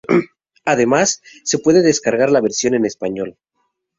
Además, se puede descargar la versión en español.